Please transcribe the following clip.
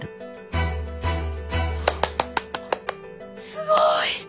すごい！